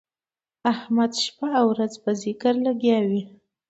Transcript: احمد شپه او ورځ په ذکر لګیا وي.